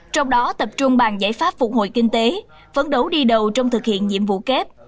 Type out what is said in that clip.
trong đó tập trung bàn giải pháp phục hồi kinh tế phấn đấu đi đầu trong thực hiện nhiệm vụ kép